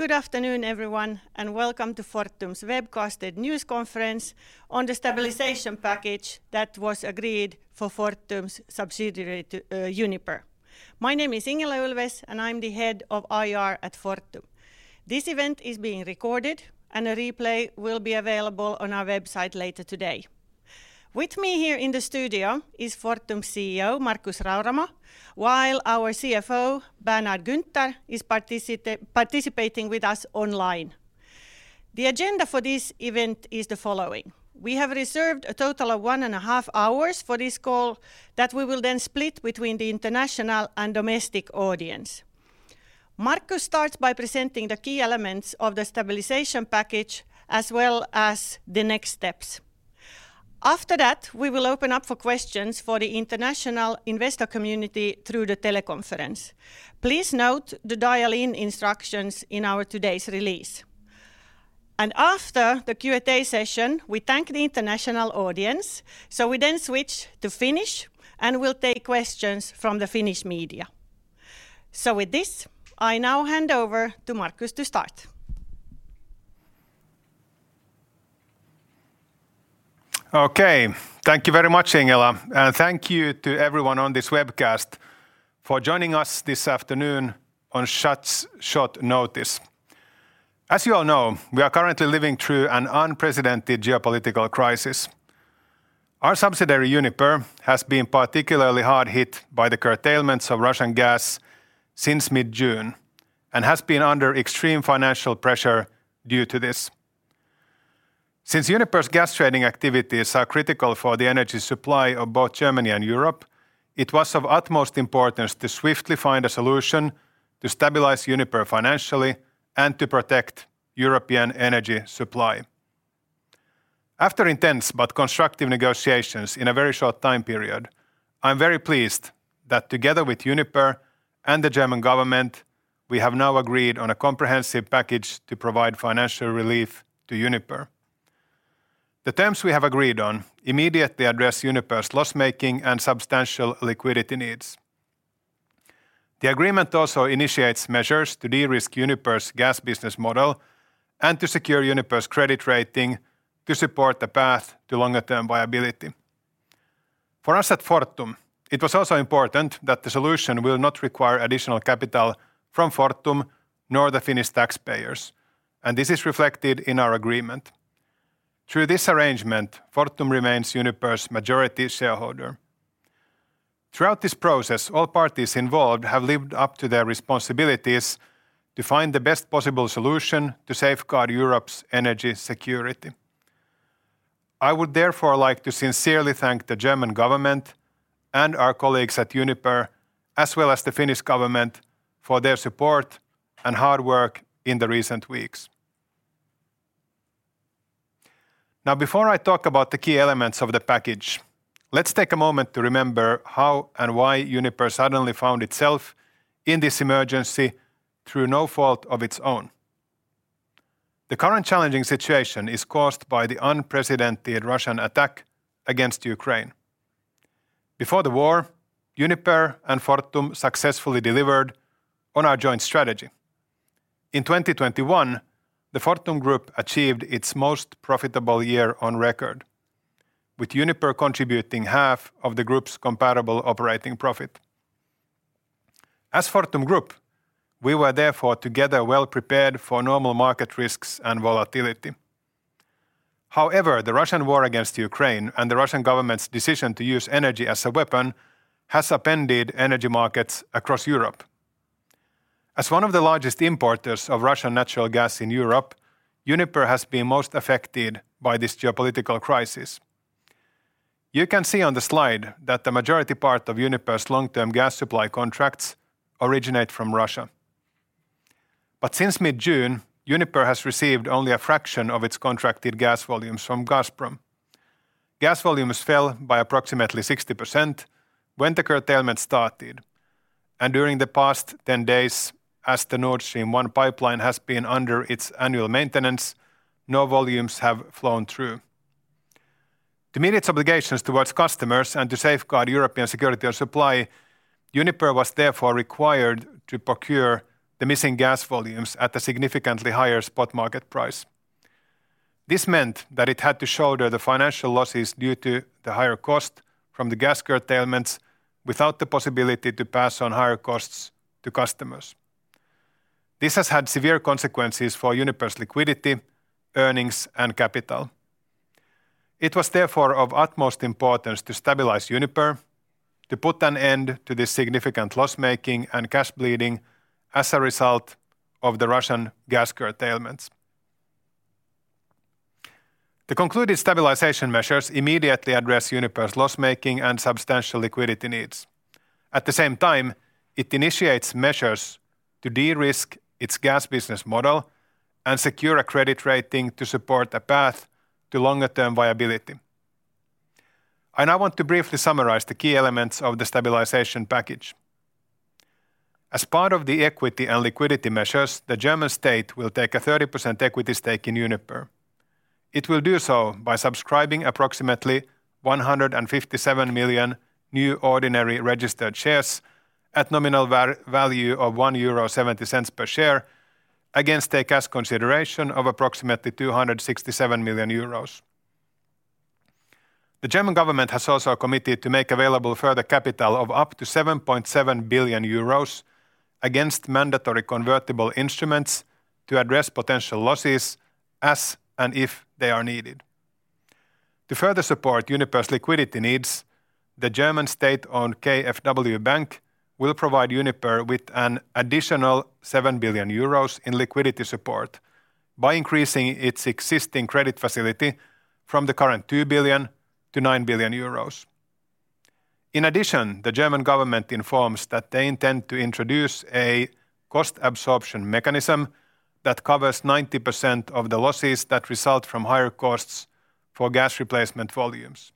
Good afternoon, everyone, and welcome to Fortum's webcasted news conference on the stabilization package that was agreed for Fortum's subsidiary Uniper. My name is Ingela Ulfves, and I'm the head of IR at Fortum. This event is being recorded and a replay will be available on our website later today. With me here in the studio is Fortum's CEO, Markus Rauramo, while our CFO, Bernhard Günther, is participating with us online. The agenda for this event is the following. We have reserved a total of one and a half hours for this call that we will then split between the international and domestic audience. Markus starts by presenting the key elements of the stabilization package as well as the next steps. After that, we will open up for questions for the international investor community through the teleconference. Please note the dial-in instructions in our today's release. After the Q&A session, we thank the international audience, so we then switch to Finnish, and we'll take questions from the Finnish media. With this, I now hand over to Markus to start. Okay. Thank you very much, Ingela, and thank you to everyone on this webcast for joining us this afternoon on such short notice. As you all know, we are currently living through an unprecedented geopolitical crisis. Our subsidiary, Uniper, has been particularly hard hit by the curtailments of Russian gas since mid-June and has been under extreme financial pressure due to this. Since Uniper's gas trading activities are critical for the energy supply of both Germany and Europe, it was of utmost importance to swiftly find a solution to stabilize Uniper financially and to protect European energy supply. After intense but constructive negotiations in a very short time period, I'm very pleased that together with Uniper and the German government, we have now agreed on a comprehensive package to provide financial relief to Uniper. The terms we have agreed on immediately address Uniper's loss-making and substantial liquidity needs. The agreement also initiates measures to de-risk Uniper's gas business model and to secure Uniper's credit rating to support the path to longer term viability. For us at Fortum, it was also important that the solution will not require additional capital from Fortum nor the Finnish taxpayers, and this is reflected in our agreement. Through this arrangement, Fortum remains Uniper's majority shareholder. Throughout this process, all parties involved have lived up to their responsibilities to find the best possible solution to safeguard Europe's energy security. I would therefore like to sincerely thank the German government and our colleagues at Uniper, as well as the Finnish government for their support and hard work in the recent weeks. Now, before I talk about the key elements of the package, let's take a moment to remember how and why Uniper suddenly found itself in this emergency through no fault of its own. The current challenging situation is caused by the unprecedented Russian attack against Ukraine. Before the war, Uniper and Fortum successfully delivered on our joint strategy. In 2021, the Fortum Group achieved its most profitable year on record, with Uniper contributing half of the group's comparable operating profit. As Fortum Group, we were therefore together well-prepared for normal market risks and volatility. However, the Russian war against Ukraine and the Russian government's decision to use energy as a weapon has upended energy markets across Europe. As one of the largest importers of Russian natural gas in Europe, Uniper has been most affected by this geopolitical crisis. You can see on the slide that the majority part of Uniper's long-term gas supply contracts originate from Russia. Since mid-June, Uniper has received only a fraction of its contracted gas volumes from Gazprom. Gas volumes fell by approximately 60% when the curtailment started, and during the past 10 days, as the Nord Stream 1 pipeline has been under its annual maintenance, no volumes have flowed through. To meet its obligations towards customers and to safeguard European security of supply, Uniper was therefore required to procure the missing gas volumes at a significantly higher spot market price. This meant that it had to shoulder the financial losses due to the higher cost from the gas curtailments without the possibility to pass on higher costs to customers. This has had severe consequences for Uniper's liquidity, earnings, and capital. It was therefore of utmost importance to stabilize Uniper, to put an end to this significant loss-making and cash bleeding as a result of the Russian gas curtailments. The concluded stabilization measures immediately address Uniper's loss-making and substantial liquidity needs. At the same time, it initiates measures to de-risk its gas business model and secure a credit rating to support a path to longer term viability. I now want to briefly summarize the key elements of the stabilization package. As part of the equity and liquidity measures, the German state will take a 30% equity stake in Uniper. It will do so by subscribing approximately 157 million new ordinary registered shares at nominal value of 1.70 euro per share against a cash consideration of approximately 267 million euros. The German government has also committed to make available further capital of up to 7.7 billion euros against mandatory convertible instruments to address potential losses as and if they are needed. To further support Uniper's liquidity needs, the German state-owned KfW Bank will provide Uniper with an additional 7 billion euros in liquidity support by increasing its existing credit facility from the current 2 billion to 9 billion euros. In addition, the German government informs that they intend to introduce a cost absorption mechanism that covers 90% of the losses that result from higher costs for gas replacement volumes.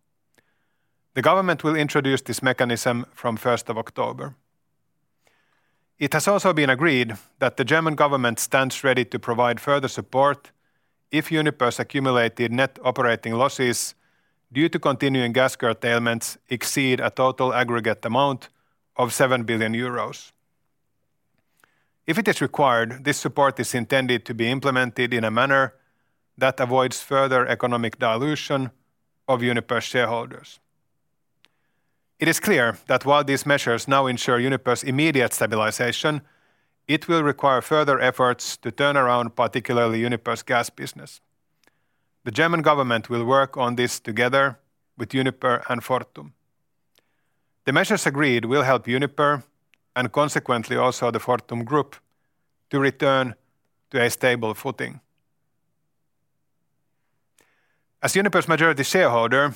The government will introduce this mechanism from 1st of October. It has also been agreed that the German government stands ready to provide further support if Uniper's accumulated net operating losses due to continuing gas curtailments exceed a total aggregate amount of 7 billion euros. If it is required, this support is intended to be implemented in a manner that avoids further economic dilution of Uniper's shareholders. It is clear that while these measures now ensure Uniper's immediate stabilization, it will require further efforts to turn around, particularly Uniper's gas business. The German government will work on this together with Uniper and Fortum. The measures agreed will help Uniper, and consequently also the Fortum Group, to return to a stable footing. As Uniper's majority shareholder,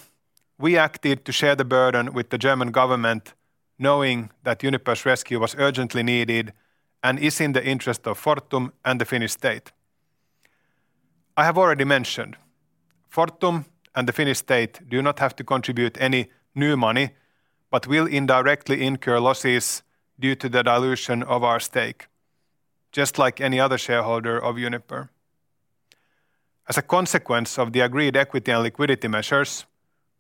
we acted to share the burden with the German government knowing that Uniper's rescue was urgently needed and is in the interest of Fortum and the Finnish state. I have already mentioned Fortum and the Finnish state do not have to contribute any new money, but will indirectly incur losses due to the dilution of our stake, just like any other shareholder of Uniper. As a consequence of the agreed equity and liquidity measures,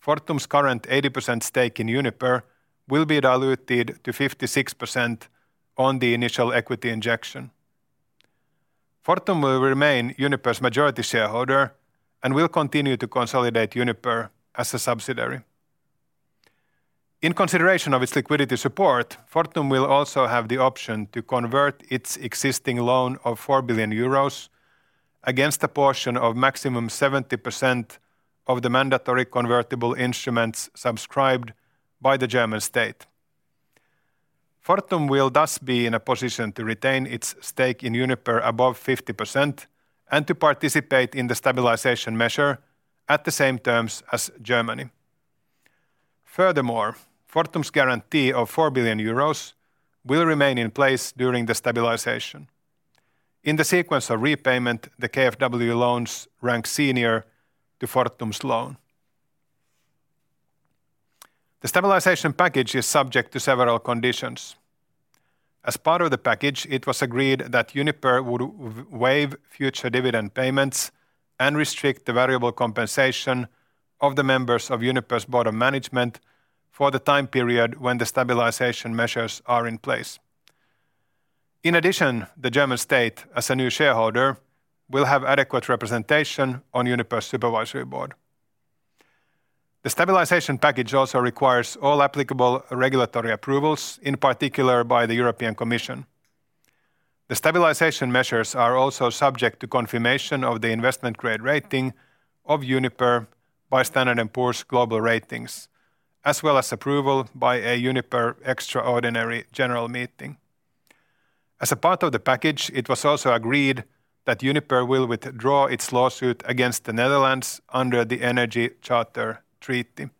Fortum's current 80% stake in Uniper will be diluted to 56% on the initial equity injection. Fortum will remain Uniper's majority shareholder and will continue to consolidate Uniper as a subsidiary. In consideration of its liquidity support, Fortum will also have the option to convert its existing loan of 4 billion euros against a portion of maximum 70% of the mandatory convertible instruments subscribed by the German state. Fortum will thus be in a position to retain its stake in Uniper above 50% and to participate in the stabilization measure at the same terms as Germany. Furthermore, Fortum's guarantee of 4 billion euros will remain in place during the stabilization. In the sequence of repayment, the KfW loans rank senior to Fortum's loan. The stabilization package is subject to several conditions. As part of the package, it was agreed that Uniper would waive future dividend payments and restrict the variable compensation of the members of Uniper's board of management for the time period when the stabilization measures are in place. In addition, the German state, as a new shareholder, will have adequate representation on Uniper's supervisory board. The stabilization package also requires all applicable regulatory approvals, in particular by the European Commission. The stabilization measures are also subject to confirmation of the investment grade rating of Uniper by Standard & Poor's Global Ratings, as well as approval by a Uniper extraordinary general meeting. As a part of the package, it was also agreed that Uniper will withdraw its lawsuit against the Netherlands under the Energy Charter Treaty.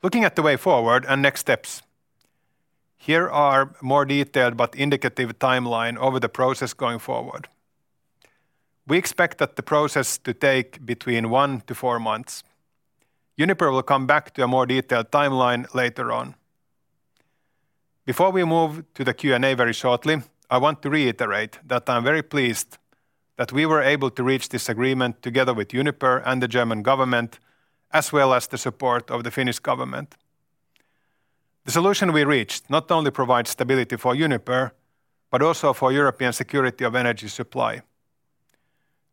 Looking at the way forward and next steps, here are more detailed but indicative timeline over the process going forward. We expect that the process to take between one to four months. Uniper will come back to a more detailed timeline later on. Before we move to the Q&A very shortly, I want to reiterate that I'm very pleased that we were able to reach this agreement together with Uniper and the German government, as well as the support of the Finnish government. The solution we reached not only provides stability for Uniper, but also for European security of energy supply.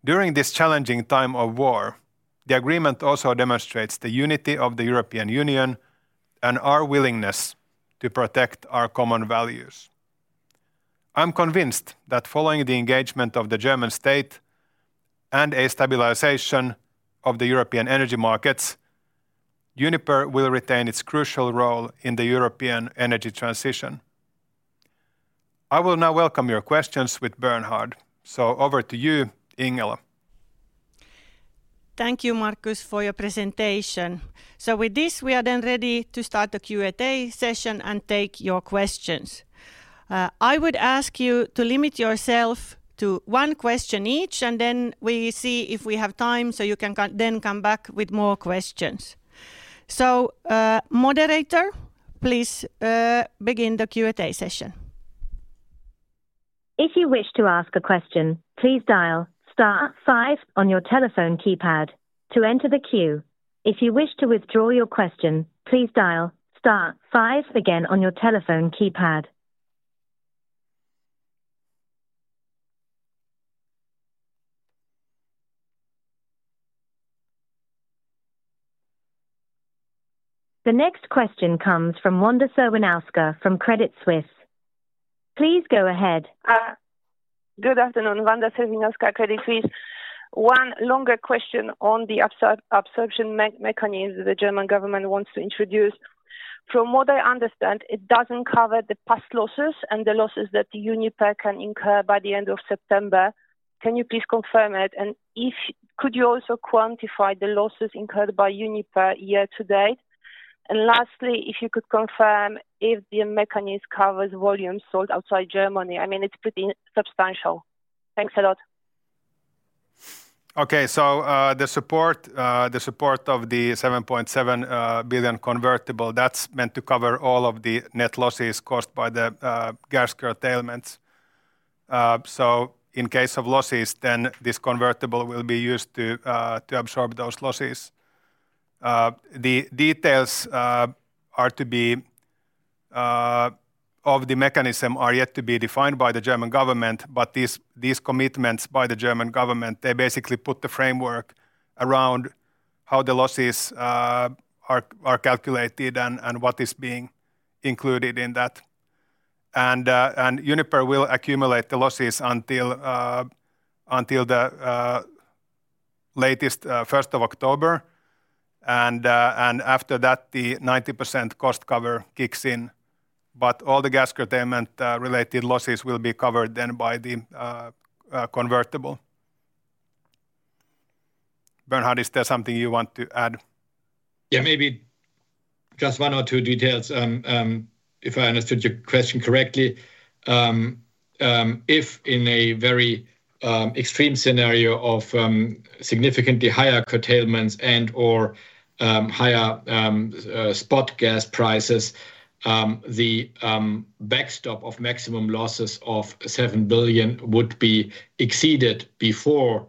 During this challenging time of war, the agreement also demonstrates the unity of the European Union and our willingness to protect our common values. I'm convinced that following the engagement of the German state and a stabilization of the European energy markets, Uniper will retain its crucial role in the European energy transition. I will now welcome your questions with Bernhard. Over to you, Ingela. Thank you, Markus, for your presentation. With this, we are then ready to start the Q&A session and take your questions. I would ask you to limit yourself to one question each, and then we see if we have time, so you can come back with more questions. Moderator, please, begin the Q&A session. If you wish to ask a question, please dial star five on your telephone keypad to enter the queue. If you wish to withdraw your question, please dial star five again on your telephone keypad. The next question comes from Wanda Serwinowska from Credit Suisse. Please go ahead. Good afternoon. Wanda Serwinowska, Credit Suisse. One longer question on the absorption mechanism the German government wants to introduce. From what I understand, it doesn't cover the past losses and the losses that Uniper can incur by the end of September. Can you please confirm it? If... Could you also quantify the losses incurred by Uniper year to date? Lastly, if you could confirm if the mechanism covers volumes sold outside Germany. I mean, it's pretty substantial. Thanks a lot. The support of the 7.7 billion convertible, that's meant to cover all of the net losses caused by the gas curtailments. In case of losses, then this convertible will be used to absorb those losses. The details of the mechanism are yet to be defined by the German government, but these commitments by the German government, they basically put the framework around how the losses are calculated and what is being included in that. Uniper will accumulate the losses until the first of October. After that, the 90% cost cover kicks in, but all the gas curtailment related losses will be covered then by the convertible. Bernhard, is there something you want to add? Yeah, maybe just one or two details. If I understood your question correctly, if in a very extreme scenario of significantly higher curtailments and/or higher spot gas prices, the backstop of maximum losses of 7 billion would be exceeded before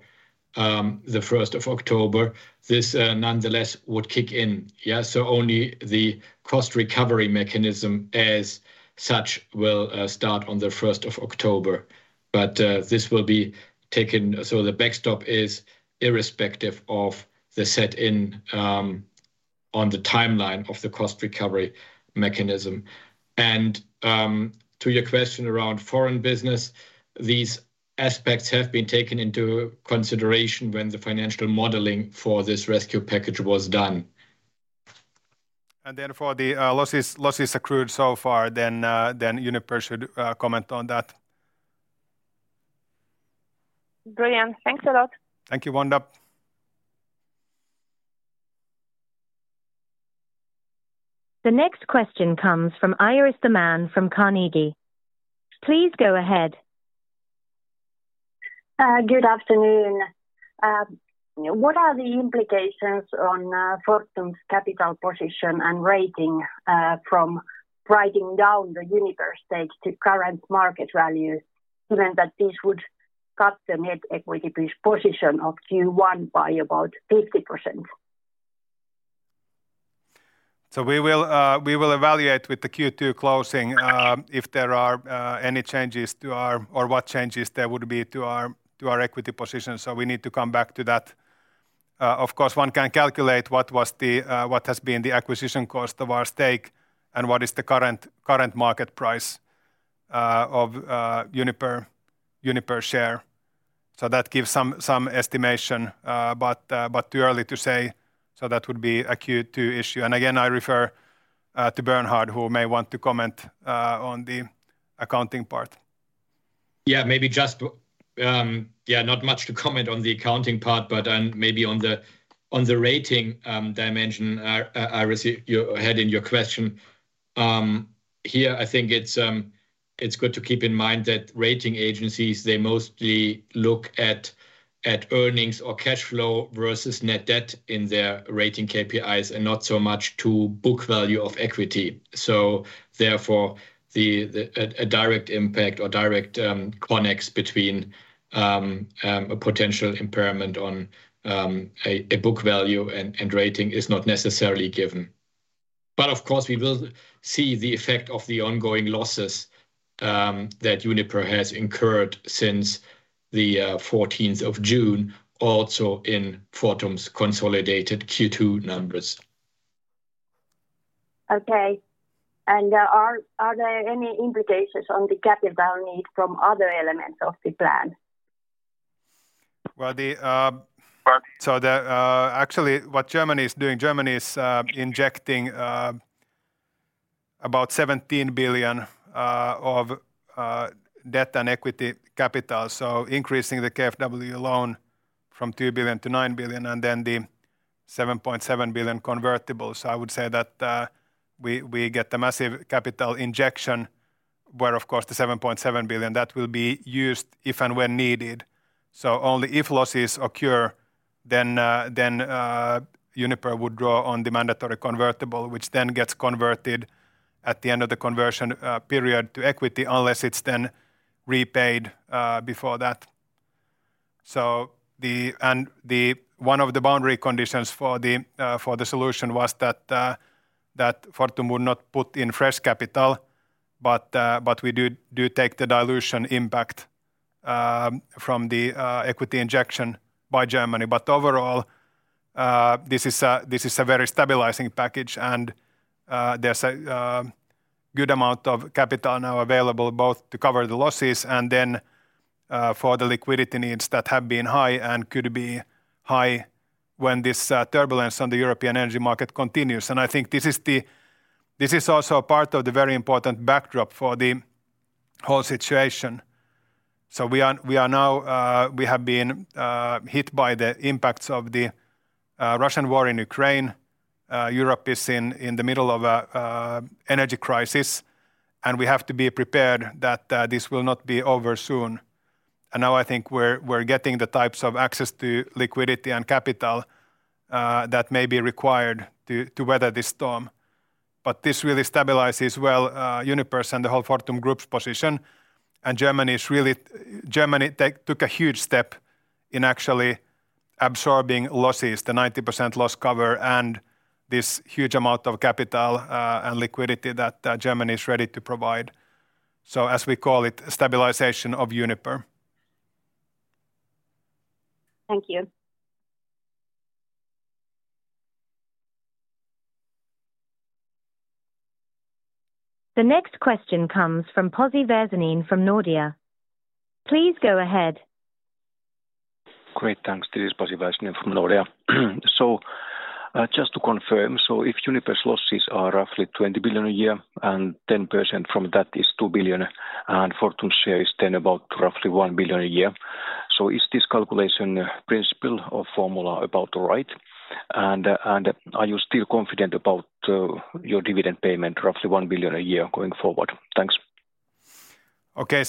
the 1st of October. This nonetheless would kick in. Yeah, only the cost recovery mechanism as such will start on the first of October. This will be taken so the backstop is irrespective of the setting on the timeline of the cost recovery mechanism. To your question around foreign business, these aspects have been taken into consideration when the financial modeling for this rescue package was done. For the losses accrued so far, then Uniper should comment on that. Brilliant. Thanks a lot. Thank you, Wanda. The next question comes from Iiris Theman from Carnegie. Please go ahead. Good afternoon. What are the implications on Fortum's capital position and rating from writing down the Uniper stake to current market value, given that this would cut the net equity position of Q1 by about 50%? We will evaluate with the Q2 closing- If there are any changes to our equity position. We need to come back to that. Of course, one can calculate what has been the acquisition cost of our stake and what is the current market price of Uniper share. That gives some estimation. But too early to say. That would be a Q2 issue. Again, I refer to Bernhard, who may want to comment on the accounting part. Maybe just not much to comment on the accounting part, but maybe on the rating dimension, Iris, you had in your question. Here I think it's good to keep in mind that rating agencies, they mostly look at earnings or cash flow versus net debt in their rating KPIs and not so much to book value of equity. Therefore, a direct impact or direct connection between a potential impairment on a book value and rating is not necessarily given. Of course, we will see the effect of the ongoing losses that Uniper has incurred since the fourteenth of June, also in Fortum's consolidated Q2 numbers. Okay. Are there any implications on the capital need from other elements of the plan? Well, actually, what Germany is doing is injecting about 17 billion of debt and equity capital. Increasing the KfW loan from 2 billion-9 billion and then the 7.7 billion convertibles. I would say that we get the massive capital injection where, of course, the 7.7 billion, that will be used if and when needed. Only if losses occur, then Uniper would draw on the mandatory convertible, which then gets converted at the end of the conversion period to equity, unless it's then repaid before that. One of the boundary conditions for the solution was that Fortum would not put in fresh capital, but we do take the dilution impact from the equity injection by Germany. But overall, this is a very stabilizing package and there's a good amount of capital now available both to cover the losses and then for the liquidity needs that have been high and could be high when this turbulence on the European energy market continues. I think this is also part of the very important backdrop for the whole situation. We are now, we have been hit by the impacts of the Russian war in Ukraine. Europe is in the middle of a energy crisis, and we have to be prepared that this will not be over soon. Now I think we're getting the types of access to liquidity and capital that may be required to weather this storm. This really stabilizes, well, Uniper's and the whole Fortum Group's position. Germany took a huge step in actually absorbing losses, the 90% loss cover and this huge amount of capital and liquidity that Germany is ready to provide. As we call it, stabilization of Uniper. Thank you. The next question comes from Pasi Väisänen from Nordea. Please go ahead. Great. Thanks. This is Pasi Väisänen from Nordea. Just to confirm, if Uniper's losses are roughly 20 billion a year and 10% from that is 2 billion, and Fortum's share is then about roughly 1 billion a year. Is this calculation principle or formula about right? And are you still confident about your dividend payment, roughly 1 billion a year going forward? Thanks. Okay.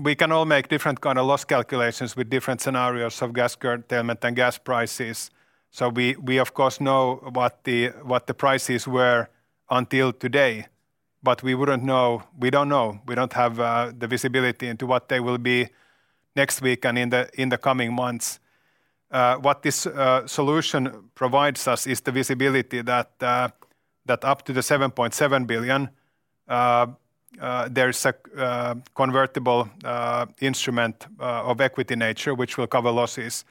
We can all make different kind of loss calculations with different scenarios of gas curtailment and gas prices. We of course know what the prices were until today, but we wouldn't know. We don't know. We don't have the visibility into what they will be next week and in the coming months. What this solution provides us is the visibility that up to 7.7 billion, there is a convertible instrument of equity nature, which will cover losses.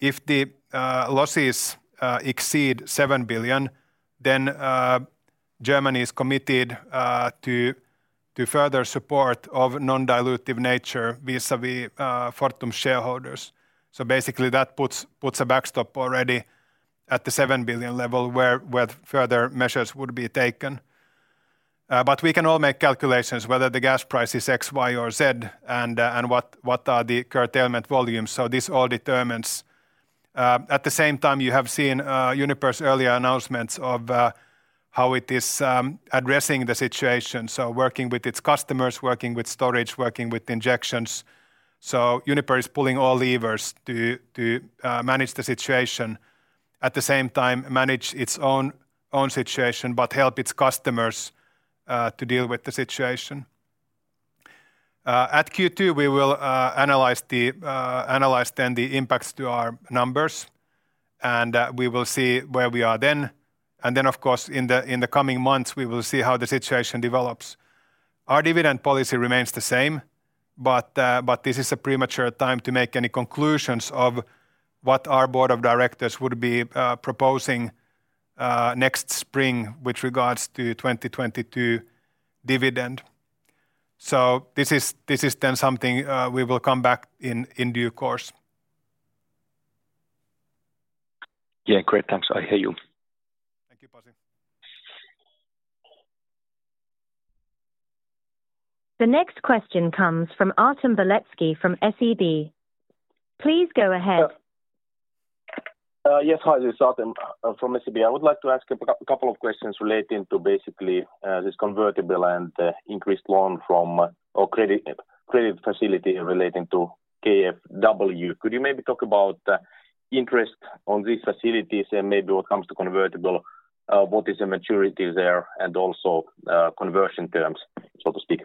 If the losses exceed 7 billion, then Germany is committed to further support of non-dilutive nature vis-à-vis Fortum shareholders. Basically that puts a backstop already at the 7 billion level where further measures would be taken. We can all make calculations whether the gas price is X, Y, or Z, and what are the curtailment volumes. This all determines. At the same time, you have seen Uniper's earlier announcements of how it is addressing the situation, working with its customers, working with storage, working with injections. Uniper is pulling all levers to manage the situation, at the same time manage its own situation, but help its customers to deal with the situation. At Q2, we will then analyze the impacts to our numbers, and we will see where we are then. Of course, in the coming months, we will see how the situation develops. Our dividend policy remains the same, but this is a premature time to make any conclusions of what our board of directors would be proposing next spring with regards to 2022 dividend. This is then something we will come back in due course. Yeah. Great. Thanks. I hear you. Thank you, Pasi. The next question comes from Artem Beletski from SEB. Please go ahead. Yeah. Yes, hi. This is Artem from SEB. I would like to ask a couple of questions relating to basically this convertible and increased loan from, or credit facility relating to KfW. Could you maybe talk about interest on these facilities and maybe what comes to convertible? What is the maturity there and also conversion terms, so to speak?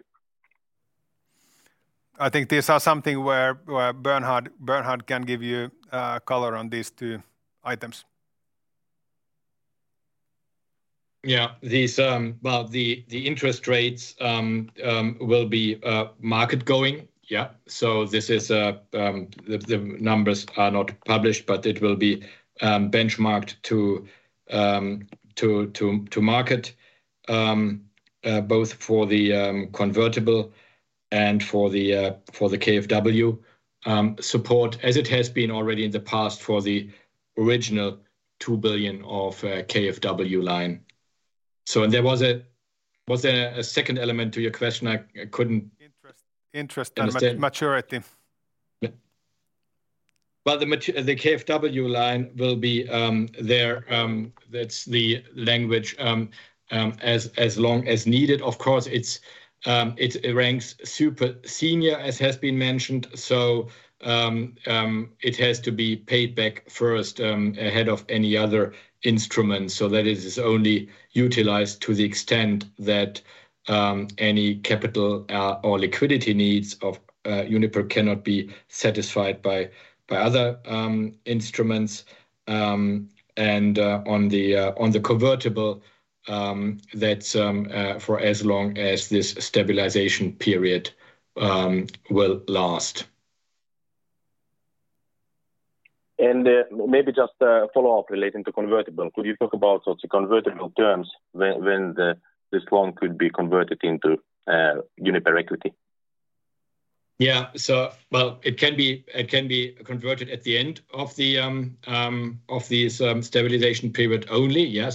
I think these are something where Bernhard can give you color on these two items. Yeah. These. Well, the interest rates will be market going. Yeah. This is the numbers are not published, but it will be benchmarked to market both for the convertible and for the KfW support as it has been already in the past for the original 2 billion of KfW line. There was a- was there a second element to your question? I couldn't. Interest- Understand maturity. Well, the KfW line will be there, that's the language, as long as needed. Of course, it ranks super senior as has been mentioned. It has to be paid back first, ahead of any other instruments. That is only utilized to the extent that any capital or liquidity needs of Uniper cannot be satisfied by other instruments. On the convertible, that's for as long as this stabilization period will last. Maybe just a follow-up relating to convertible. Could you talk about sort of convertible terms when this loan could be converted into Uniper equity? Yeah. Well, it can be converted at the end of the stabilization period only. Yeah.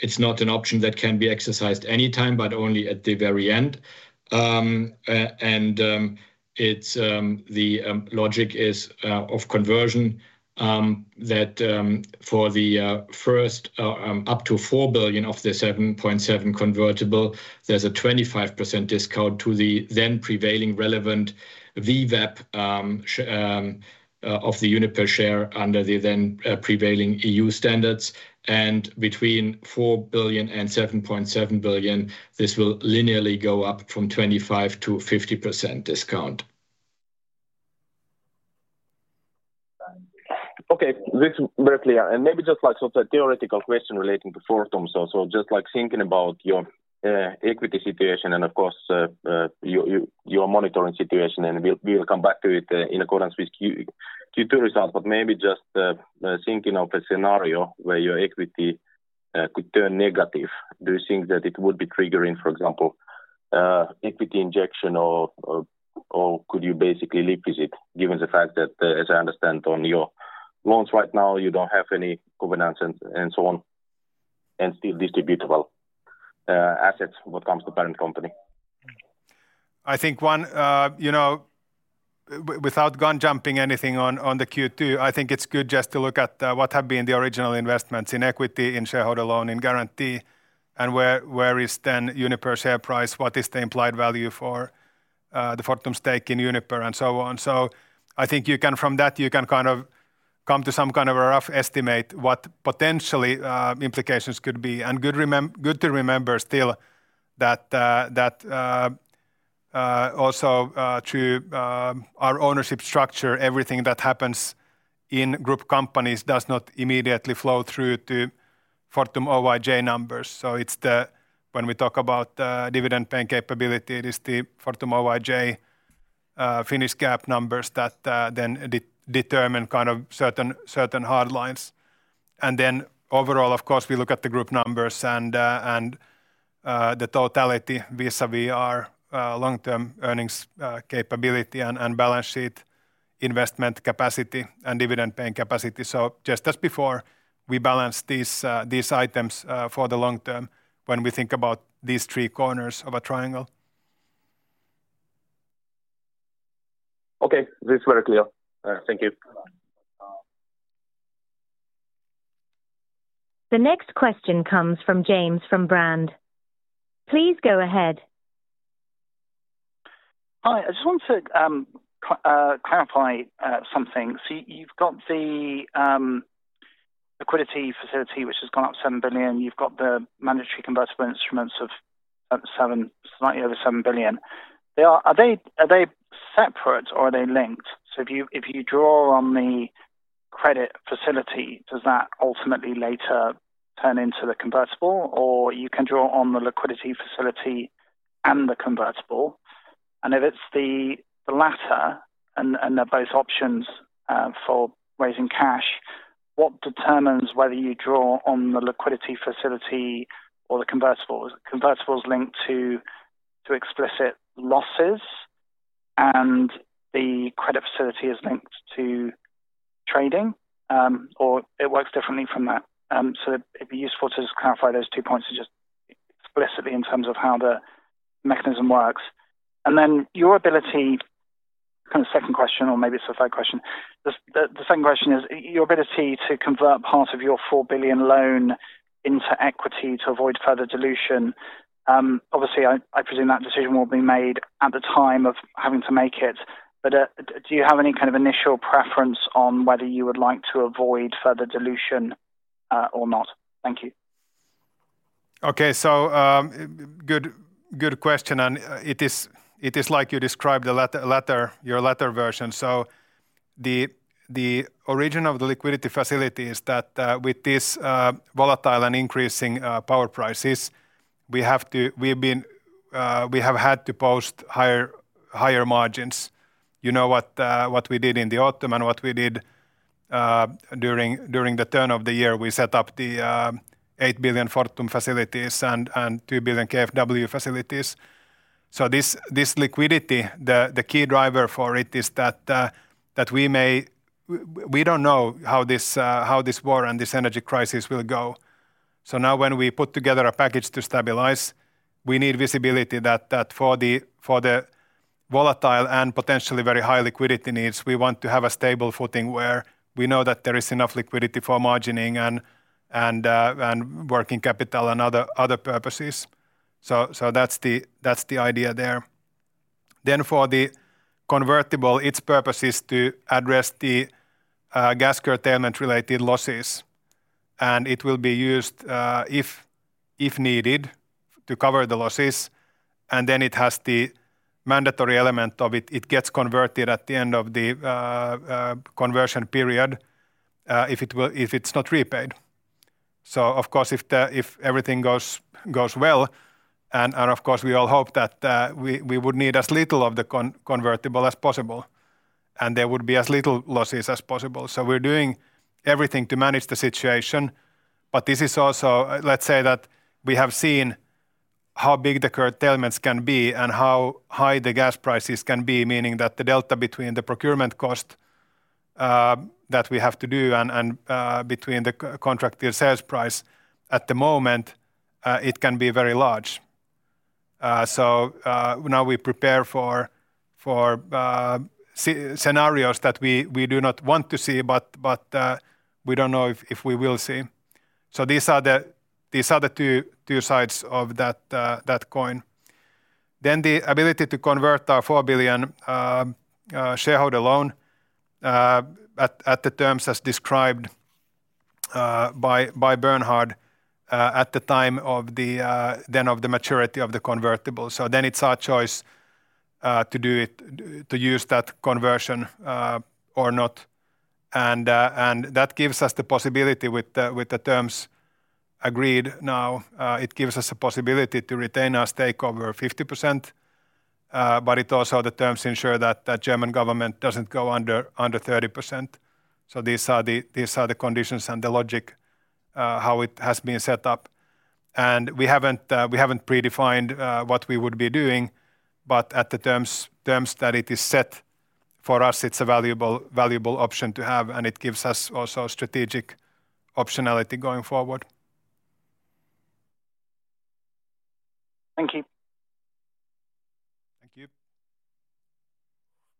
It's not an option that can be exercised anytime, but only at the very end. It's the logic of conversion that for the first up to 4 billion of the 7.7 billion convertible, there's a 25% discount to the then prevailing relevant VWAP of the Uniper share under the then prevailing EU standards and between 4 billion and 7.7 billion, this will linearly go up from 25%-50% discount. Okay. This is very clear. Maybe just like sort of theoretical question relating to Fortum. Just like thinking about your equity situation and of course your monitoring situation, and we'll come back to it in accordance with Q2 results. Maybe just thinking of a scenario where your equity could turn negative. Do you think that it would be triggering, for example, equity injection or could you basically live with it given the fact that as I understand on your loans right now, you don't have any covenants and so on, and still distributable assets when it comes to parent company? I think one, you know, without gun jumping anything on the Q2, I think it's good just to look at what have been the original investments in equity, in shareholder loan, in guarantee, and where is then Uniper share price. What is the implied value for the Fortum stake in Uniper and so on. I think you can, from that, you can kind of come to some kind of a rough estimate what potentially implications could be. Good to remember still that also through our ownership structure, everything that happens in group companies does not immediately flow through to Fortum Oyj numbers. It's when we talk about dividend paying capability, it is the Fortum Oyj Finnish GAAP numbers that then determine kind of certain hard lines. Overall, of course, we look at the group numbers and the totality vis-à-vis our long-term earnings capability and balance sheet investment capacity and dividend paying capacity. Just as before, we balance these items for the long term when we think about these three corners of a triangle. Okay. This is very clear. Thank you. The next question comes from James from Brand. Please go ahead. Hi. I just want to clarify something. You've got the liquidity facility, which has gone up 7 billion. You've got the mandatory convertible instruments of 7 billion, slightly over 7 billion. Are they separate or are they linked? If you draw on the credit facility, does that ultimately later turn into the convertible or you can draw on the liquidity facility and the convertible? If it's the latter and they're both options for raising cash, what determines whether you draw on the liquidity facility or the convertible? Is the convertible linked to explicit losses and the credit facility is linked to trading, or it works differently from that? It'd be useful to just clarify those two points just explicitly in terms of how the mechanism works. Your ability, kind of second question, or maybe it's the third question. The second question is, your ability to convert part of your 4 billion loan into equity to avoid further dilution. Obviously, I presume that decision will be made at the time of having to make it. Do you have any kind of initial preference on whether you would like to avoid further dilution, or not? Thank you. Good question, and it is like you described, the letter, your letter version. The origin of the liquidity facility is that, with this volatile and increasing power prices, we have had to post higher margins. What we did in the autumn and what we did during the turn of the year, we set up the 8 billion Fortum facilities and 2 billion KfW facilities. This liquidity, the key driver for it is that we may. We don't know how this war and this energy crisis will go. Now when we put together a package to stabilize, we need visibility that for the volatile and potentially very high liquidity needs, we want to have a stable footing where we know that there is enough liquidity for margining and working capital and other purposes. That's the idea there. For the convertible, its purpose is to address the gas curtailment related losses. It will be used if needed to cover the losses. It has the mandatory element of it. It gets converted at the end of the conversion period if it's not repaid. Of course, if everything goes well, and of course, we all hope that we would need as little of the convertible as possible, and there would be as little losses as possible. We're doing everything to manage the situation, but this is also. Let's say that we have seen how big the curtailments can be and how high the gas prices can be, meaning that the delta between the procurement cost that we have to do and between the contract sales price, at the moment, it can be very large. Now we prepare for scenarios that we do not want to see, but we don't know if we will see. These are the two sides of that coin. The ability to convert our 4 billion shareholder loan at the terms as described by Bernhard at the time of the maturity of the convertible. It's our choice to use that conversion or not. That gives us the possibility with the terms agreed now. It gives us a possibility to retain our stake over 50%, but it also the terms ensure that the German government doesn't go under 30%. These are the conditions and the logic how it has been set up. We haven't predefined what we would be doing, but at the terms that it is set, for us, it's a valuable option to have, and it gives us also strategic optionality going forward. Thank you. Thank you.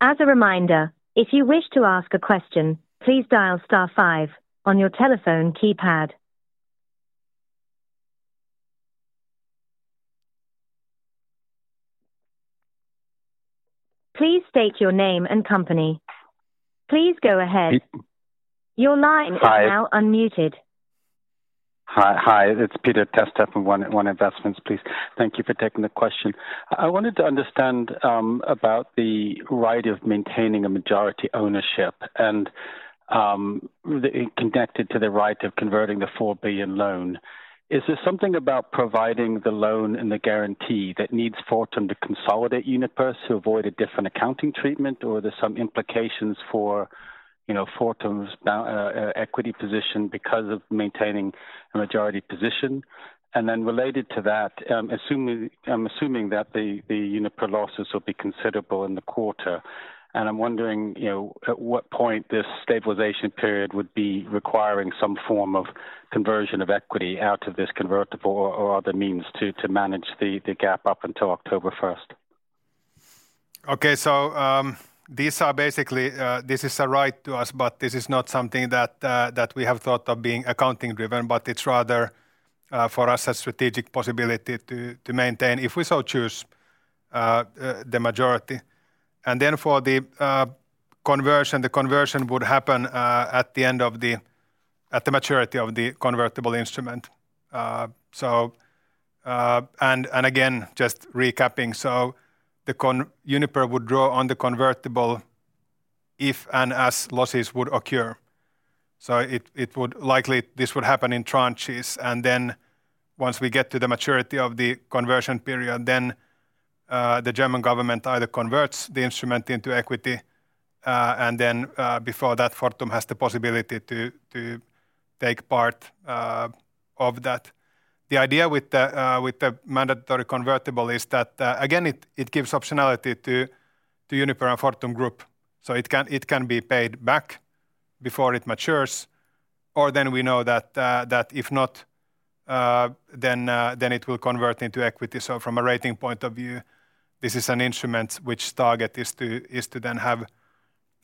As a reminder, if you wish to ask a question, please dial star five on your telephone keypad. Please state your name and company. Please go ahead. P- Your line. Hi. is now unmuted. Hi. It's Peter Tertzakian from ARC Financial Corp. Please, thank you for taking the question. I wanted to understand about the right of maintaining a majority ownership and the connected to the right of converting the 4 billion loan. Is there something about providing the loan and the guarantee that needs Fortum to consolidate Uniper to avoid a different accounting treatment, or are there some implications for, you know, Fortum's equity position because of maintaining a majority position? Then related to that, I'm assuming that the Uniper losses will be considerable in the quarter. I'm wondering, you know, at what point this stabilization period would be requiring some form of conversion of equity out of this convertible or other means to manage the gap up until October 1st. Okay. These are basically this is a right to us, but this is not something that that we have thought of being accounting driven, but it's rather for us, a strategic possibility to maintain, if we so choose, the majority. For the conversion, the conversion would happen at the maturity of the convertible instrument. Again, just recapping. Uniper would draw on the convertible if and as losses would occur. It would likely this would happen in tranches. Once we get to the maturity of the conversion period, the German government either converts the instrument into equity, and then before that, Fortum has the possibility to take part of that. The idea with the mandatory convertible is that, again, it gives optionality to Uniper and Fortum Group. It can be paid back before it matures, or then we know that if not, then it will convert into equity. From a rating point of view, this is an instrument which target is to then have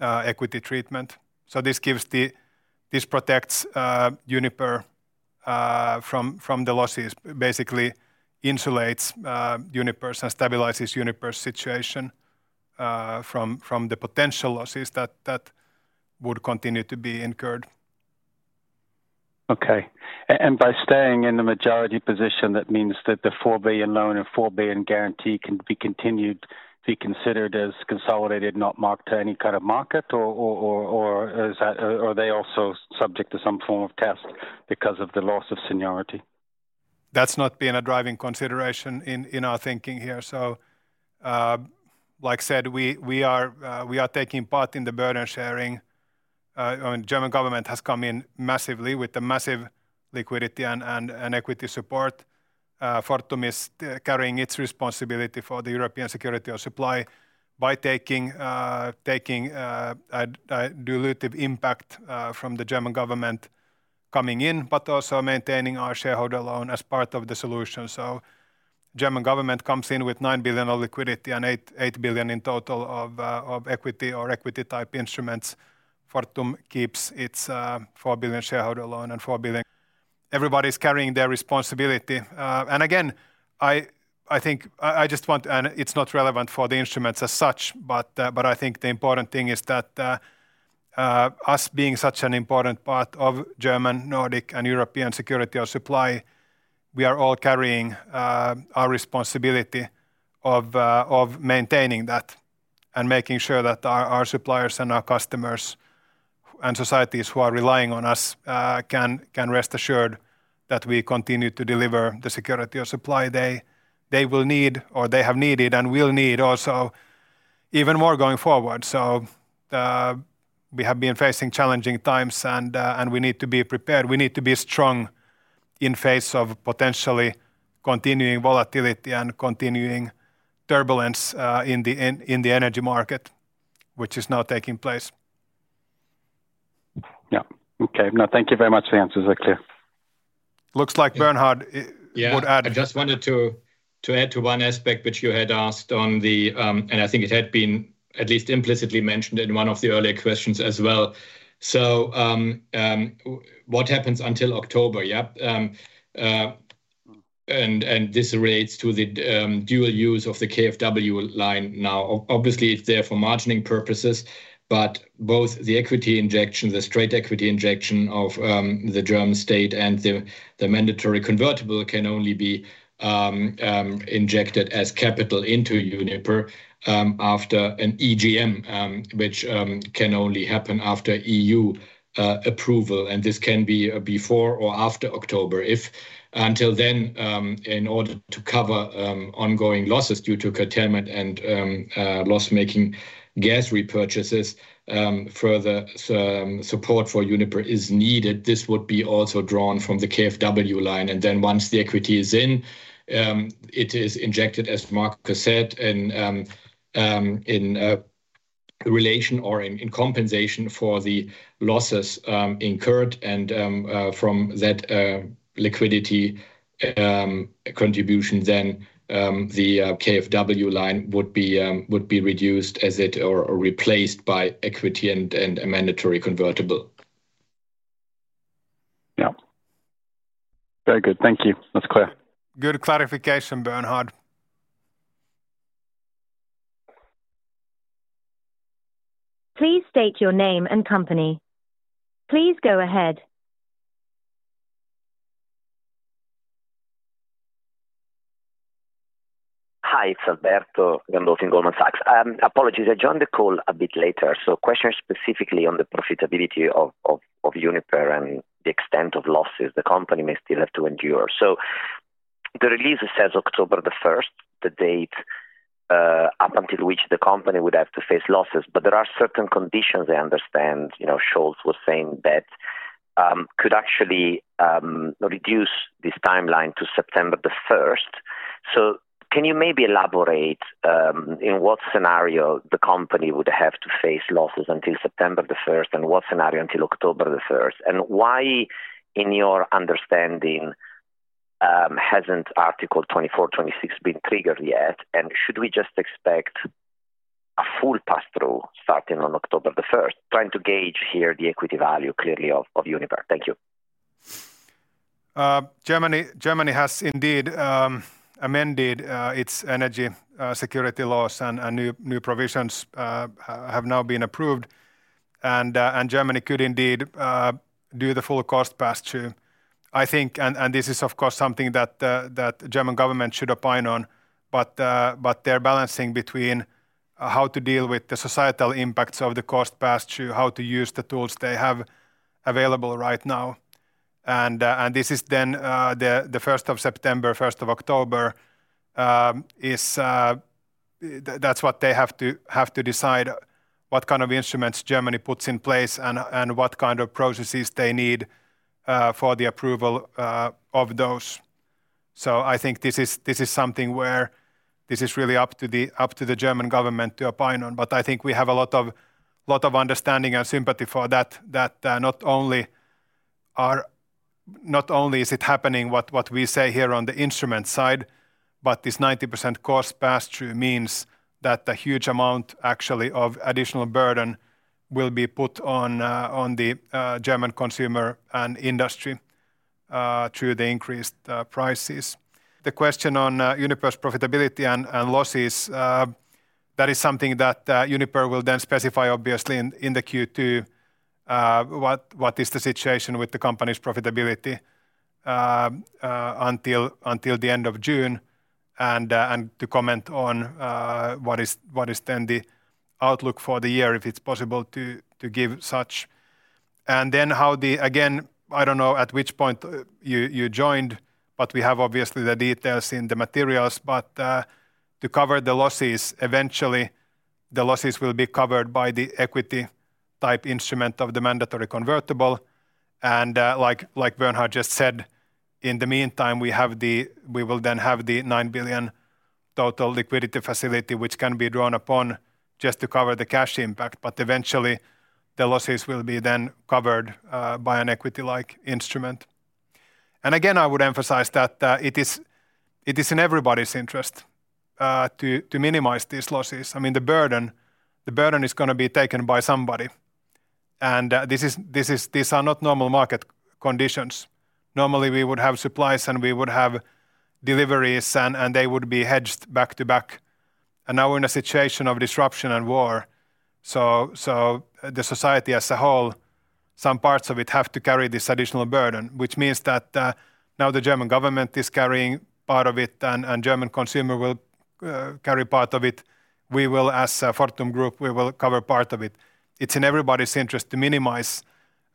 equity treatment. This protects Uniper from the losses, basically insulates Uniper's and stabilizes Uniper's situation from the potential losses that would continue to be incurred. By staying in the majority position, that means that the 4 billion loan and 4 billion guarantee can be continued to be considered as consolidated, not marked to any kind of market, or are they also subject to some form of test because of the loss of seniority? That's not been a driving consideration in our thinking here. Like I said, we are taking part in the burden-sharing. I mean, German government has come in massively with the massive liquidity and equity support. Fortum is carrying its responsibility for the European security of supply by taking a dilutive impact from the German government coming in, but also maintaining our shareholder loan as part of the solution. German government comes in with 9 billion of liquidity and 8 billion in total of equity or equity type instruments. Fortum keeps its 4 billion shareholder loan and 4 billion. Everybody's carrying their responsibility. And again, I think I just want. It's not relevant for the instruments as such, but I think the important thing is that us being such an important part of German, Nordic and European security of supply, we are all carrying our responsibility of maintaining that and making sure that our suppliers and our customers and societies who are relying on us can rest assured that we continue to deliver the security of supply they will need or they have needed and will need also even more going forward. We have been facing challenging times and we need to be prepared. We need to be strong in face of potentially continuing volatility and continuing turbulence in the energy market, which is now taking place. Yeah. Okay. No, thank you very much. The answers are clear. Looks like Bernhard would add. Yeah. I just wanted to add to one aspect which you had asked on the. I think it had been at least implicitly mentioned in one of the earlier questions as well. What happens until October? This relates to the dual use of the KfW line now. Obviously it's there for margining purposes, but both the equity injection, the straight equity injection of the German state and the mandatory convertible can only be injected as capital into Uniper after an EGM, which can only happen after EU approval. This can be before or after October. If until then, in order to cover ongoing losses due to curtailment and loss-making gas repurchases, further support for Uniper is needed, this would be also drawn from the KfW line. Once the equity is in, it is injected, as Markus said, in relation or in compensation for the losses incurred and from that liquidity contribution then the KfW line would be reduced as it or replaced by equity and a mandatory convertible. Yeah. Very good. Thank you. That's clear. Good clarification, Bernhard. Please state your name and company. Please go ahead. Hi, it's Alberto Gandolfi, Goldman Sachs. Apologies, I joined the call a bit later. Question specifically on the profitability of Uniper and the extent of losses the company may still have to endure. The release says October 1st, the date up until which the company would have to face losses, but there are certain conditions I understand, you know, Scholz was saying that could actually reduce this timeline to September 1st. Can you maybe elaborate in what scenario the company would have to face losses until September 1st, and what scenario until October 1st? And why, in your understanding, hasn't Article 24, 26 been triggered yet? And should we just expect a full pass-through starting on October 1st? Trying to gauge here the equity value clearly of Uniper. Thank you. Germany has indeed amended its energy security laws and new provisions have now been approved and Germany could indeed do the full cost pass-through, I think. This is of course something that the German government should opine on, but they're balancing between how to deal with the societal impacts of the cost pass-through, how to use the tools they have available right now. This is then the 1st of September, 1st of October. That's what they have to decide what kind of instruments Germany puts in place and what kind of processes they need for the approval of those. I think this is something where this is really up to the German government to opine on. I think we have a lot of understanding and sympathy for that, not only is it happening what we say here on the instrument side, but this 90% cost pass-through means that a huge amount actually of additional burden will be put on the German consumer and industry through the increased prices. The question on Uniper's profitability and losses, that is something that Uniper will then specify obviously in the Q2, what is the situation with the company's profitability until the end of June, and to comment on what is then the outlook for the year, if it's possible to give such. Again, I don't know at which point you joined, but we have obviously the details in the materials. To cover the losses eventually. The losses will be covered by the equity type instrument of the mandatory convertible. Like Bernhard just said, in the meantime, we will then have the 9 billion total liquidity facility which can be drawn upon just to cover the cash impact. Eventually, the losses will be then covered by an equity-like instrument. Again, I would emphasize that it is in everybody's interest to minimize these losses. I mean, the burden is gonna be taken by somebody and these are not normal market conditions. Normally, we would have supplies, and we would have deliveries and they would be hedged back to back. Now we're in a situation of disruption and war, so the society as a whole, some parts of it have to carry this additional burden. Which means that now the German government is carrying part of it and German consumer will carry part of it. We will as a Fortum Group cover part of it. It's in everybody's interest to minimize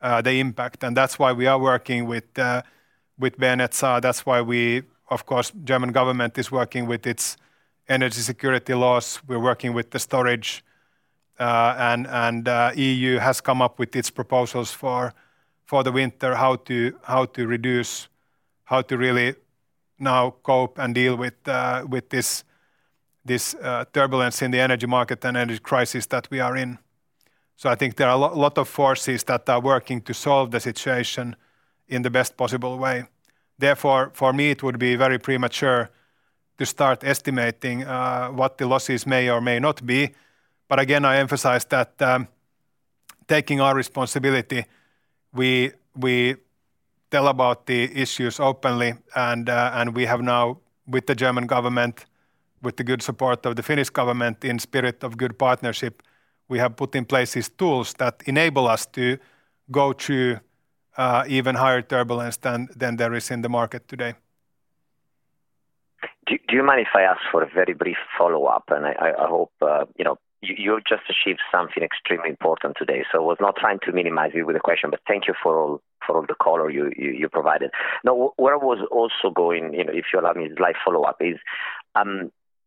the impact, and that's why we are working with Bernard. Of course, German government is working with its energy security laws. We're working with the storage, and EU has come up with its proposals for the winter, how to reduce, how to really now cope and deal with this turbulence in the energy market and energy crisis that we are in. I think there are a lot of forces that are working to solve the situation in the best possible way. Therefore, for me, it would be very premature to start estimating what the losses may or may not be. Again, I emphasize that, taking our responsibility, we tell about the issues openly and we have now, with the German government, with the good support of the Finnish government in spirit of good partnership, we have put in place these tools that enable us to go through even higher turbulence than there is in the market today. Do you mind if I ask for a very brief follow-up? I hope, you know, you just achieved something extremely important today, so was not trying to minimize you with the question, but thank you for all the color you provided. Now, where I was also going, you know, if you allow me this light follow-up,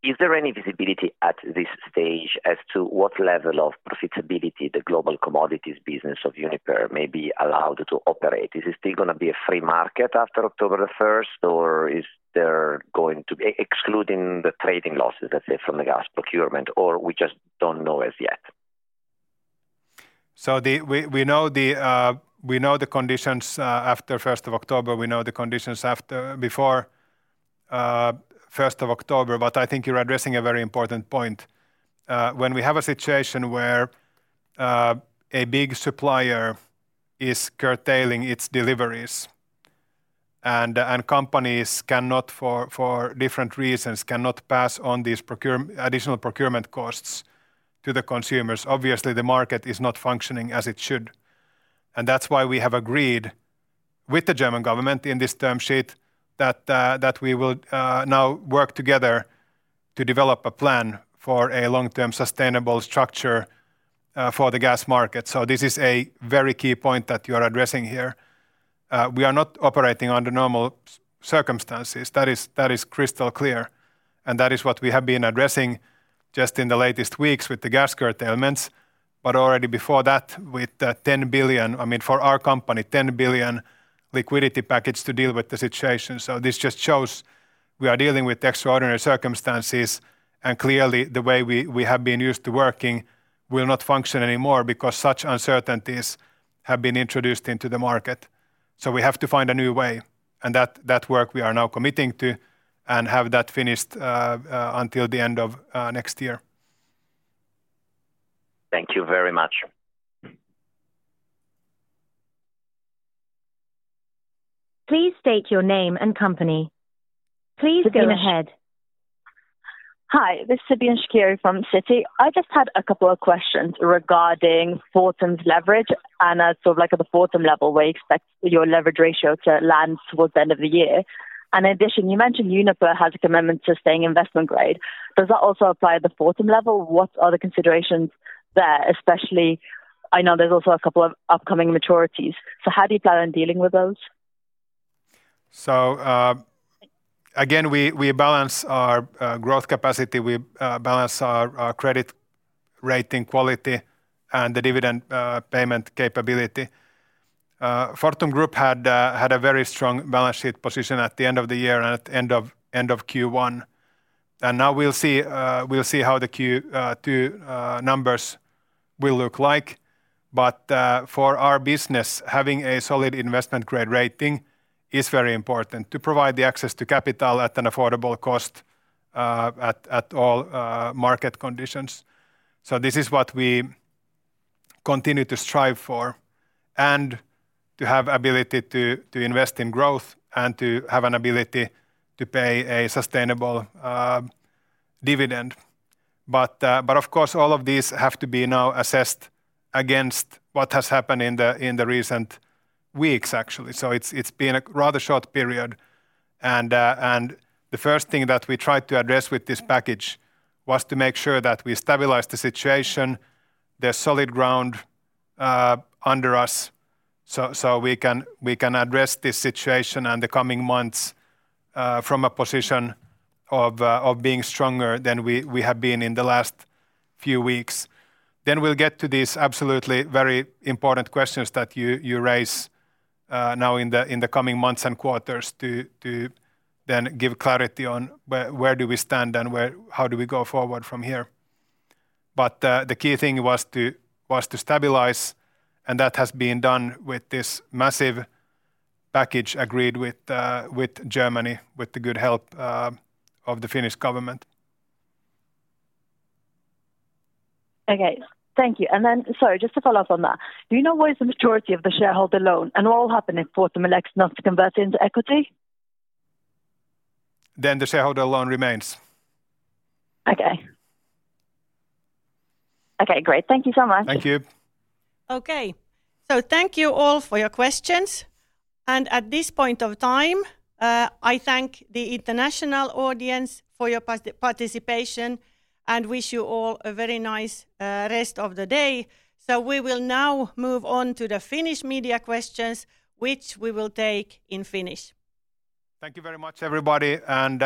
is there any visibility at this stage as to what level of profitability the global commodities business of Uniper may be allowed to operate? Is it still gonna be a free market after October 1st, or is there going to be excluding the trading losses, let's say, from the gas procurement, or we just don't know as yet? We know the conditions after 1st of October. We know the conditions before first of October. I think you're addressing a very important point. When we have a situation where a big supplier is curtailing its deliveries and companies cannot for different reasons pass on these additional procurement costs to the consumers, obviously the market is not functioning as it should. That's why we have agreed with the German government in this term sheet that we will now work together to develop a plan for a long-term sustainable structure for the gas market. This is a very key point that you're addressing here. We are not operating under normal circumstances. That is crystal clear, and that is what we have been addressing just in the latest weeks with the gas curtailments. Already before that, with the 10 billion, I mean, for our company, 10 billion liquidity package to deal with the situation. This just shows we are dealing with extraordinary circumstances and clearly the way we have been used to working will not function anymore because such uncertainties have been introduced into the market. We have to find a new way and that work we are now committing to and have that finished until the end of next year. Thank you very much. Please state your name and company. Please begin. Sibe- ...ahead. Hi. This is Siamak Shakeri from Citi. I just had a couple of questions regarding Fortum's leverage and, sort of like at the Fortum level, where you expect your leverage ratio to land towards the end of the year. In addition, you mentioned Uniper has a commitment to staying investment grade. Does that also apply at the Fortum level? What are the considerations there? Especially, I know there's also a couple of upcoming maturities. How do you plan on dealing with those? Again, we balance our growth capacity, we balance our credit rating quality and the dividend payment capability. Fortum Group had a very strong balance sheet position at the end of the year and at end of Q1. Now we'll see how the Q2 numbers will look like. For our business, having a solid investment grade rating is very important to provide the access to capital at an affordable cost at all market conditions. This is what we continue to strive for, and to have ability to invest in growth and to have an ability to pay a sustainable dividend. Of course, all of these have to be now assessed against what has happened in the recent weeks, actually. It's been a rather short period and the first thing that we tried to address with this package was to make sure that we stabilize the situation. There's solid ground under us, so we can address this situation in the coming months from a position of being stronger than we have been in the last few weeks. We'll get to these absolutely very important questions that you raise now in the coming months and quarters to then give clarity on where do we stand and how do we go forward from here. The key thing was to stabilize and that has been done with this massive package agreed with Germany, with the good help of the Finnish government. Okay. Thank you. Sorry, just to follow up on that. Do you know what is the maturity of the shareholder loan, and what will happen if Fortum elects not to convert into equity? The shareholder loan remains. Okay. Okay, great. Thank you so much. Thank you. Okay. Thank you all for your questions. At this point of time, I thank the international audience for your participation and wish you all a very nice rest of the day. We will now move on to the Finnish media questions, which we will take in Finnish. Thank you very much, everybody.